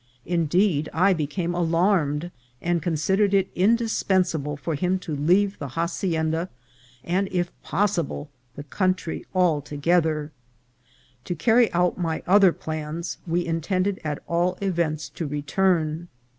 Indeed, I became alarmed, and considered it indispensable for him to leave the hacienda, and, if possible, the country altogether. To carry out my other plans, we intended at all events to return.